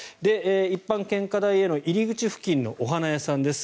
一般献花台への入り口付近のお花屋さんです。